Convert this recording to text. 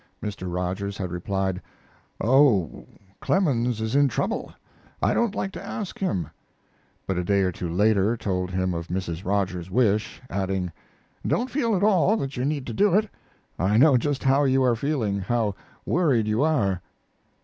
Mr. Rogers had replied, "Oh, Clemens is in trouble. I don't like to ask him," but a day or two later told him of Mrs. Rogers's wish, adding: "Don't feel at all that you need to do it. I know just how you are feeling, how worried you are."